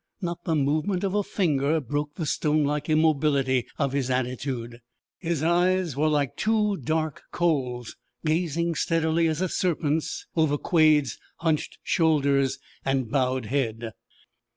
Not the movement of a finger broke the stonelike immobility of his attitude. His eyes were like two dark coals gazing steadily as a serpent's over Quade's hunched shoulders and bowed head.